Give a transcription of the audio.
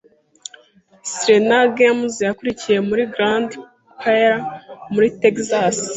Selena Gomez yakuriye muri Grand Prairie, muri Texas.